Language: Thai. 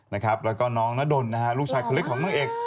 แล้วก็น้องนาดนลูกชายขึ้นรึกของเมืองเอก